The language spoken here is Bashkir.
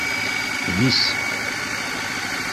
Вис!